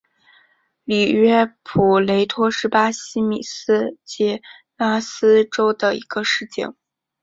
里约普雷托是巴西米纳斯吉拉斯州的一个市镇。